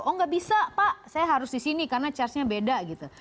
oh nggak bisa pak saya harus di sini karena charge nya beda gitu